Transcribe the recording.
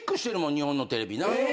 日本のテレビな。